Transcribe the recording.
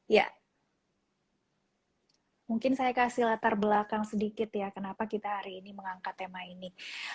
ya mungkin saya kasih latar belakang sedikit ya kenapa kita hari ini mengangkat tema ini